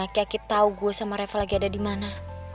aki aki tau gue sama reva lagi ada dimana